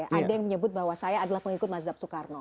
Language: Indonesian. ada yang menyebut bahwa saya adalah pengikut mazhab soekarno